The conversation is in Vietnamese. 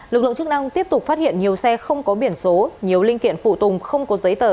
lực lượng chức năng tiếp tục phát hiện nhiều xe không có biển số nhiều linh kiện phụ tùng không có giấy tờ